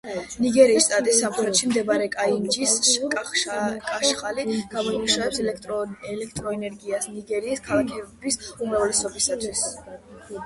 ნიგერის შტატის სამხრეთში მდებარე კაინჯის კაშხალი გამოიმუშავებს ელექტროენერგიას ნიგერიის ქალაქების უმრავლესობისთვის.